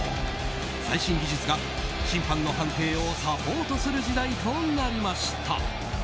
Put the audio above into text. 最新技術が審判の判定をサポートする時代となりました。